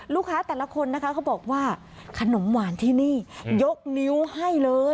ลูกค้าแต่ละคนนะคะเขาบอกว่าขนมหวานที่นี่ยกนิ้วให้เลย